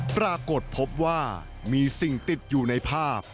ปรากฏพบว่ามีสิ่งติดอยู่ในภาพ